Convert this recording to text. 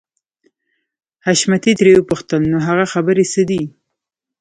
حشمتي ترې وپوښتل نو هغه خبرې څه دي.